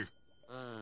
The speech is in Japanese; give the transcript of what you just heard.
うん。